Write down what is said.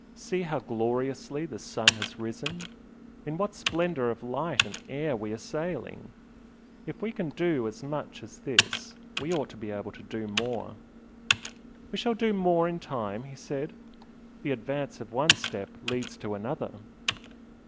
See how gloriously the sun has risen! In what splendour of light and air we are sailing! If we can do as much as this we ought to be able to do more!" "We shall do more in time" he said "The advance of one step leads to another."